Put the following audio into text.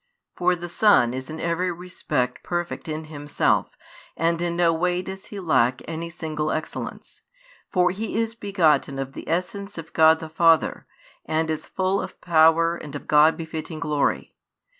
For the Son is in every respect perfect in Himself, and in no way does He lack any single excellence. For He is begotten of the Essence of God the Father, and is full of power and of God befitting glory.